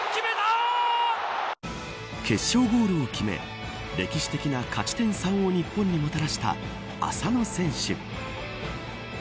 決勝ゴールを決め歴史的な勝ち点３を日本にもたらした浅野選手。